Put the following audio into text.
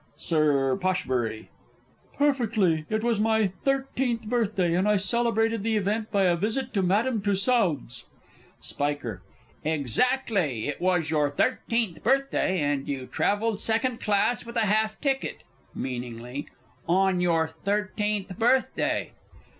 Sir P. Perfectly; it was my thirteenth birthday, and I celebrated the event by a visit to Madame Tussaud's. [Illustration: Spiker Introduced.] Spiker. Exactly; it was your thirteenth birthday, and you travelled second class with a half ticket (meaningly) on your thirteenth birthday.